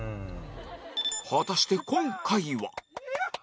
果たして今回は